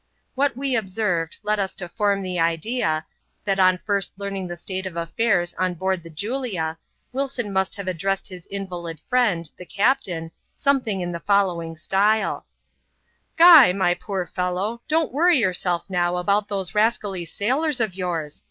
What we observed, led us to form the idea, that on first learning the state of affairs on board the Julia, Wilson must have addressed his invalid friend, the captain, something in the following style :—" Guy, my poor fellow, don't worry yourself now about those rascally sailors of yours.